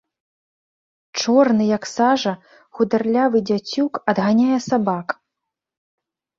Чорны, як сажа, хударлявы дзяцюк адганяе сабак.